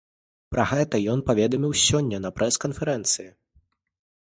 Пра гэта ён паведаміў сёння на прэс-канферэнцыі.